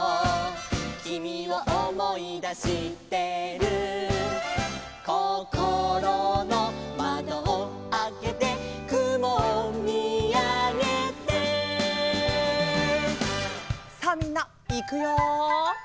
「君を思い出してる」「こころの窓をあけて」「雲を見あげて」さあみんないくよ。